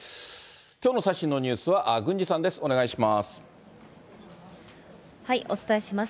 きょうの最新のニュースは郡司さんです、お願いします。